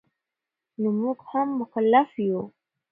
نو مونږ هم مکلف یو